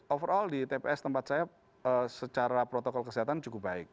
overall di tps tempat saya secara protokol kesehatan cukup baik